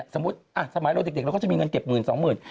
สมมุติสมัยเราเด็กเราก็จะมีเงินเก็บหมื่นสองหมื่น